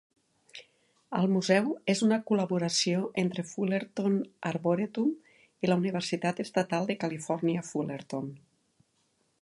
El museu és una col·laboració entre Fullerton Arboretum i la Universitat Estatal de Califòrnia Fullerton.